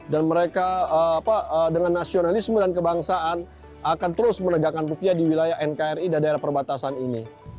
dan mereka dengan nasionalisme dan kebangsaan akan terus menegakkan rupiah di wilayah nkri dan daerah perbatasan ini